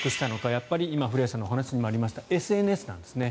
やっぱり今、古谷さんの話にありましたＳＮＳなんですね。